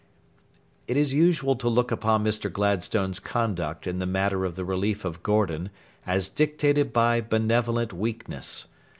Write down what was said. It is usual to look upon Mr. Gladstone's conduct in the matter of the relief of Gordon as dictated by benevolent weakness.